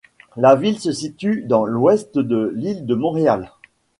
La ville se situe dans l'ouest de l'île de Montréal.